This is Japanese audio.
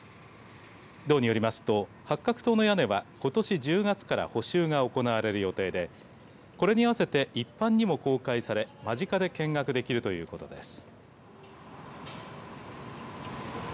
道によりますと八角塔の屋根はことし１０月から補修が行われる予定でこれに合わせて一般にも公開され間近で見学できるということです。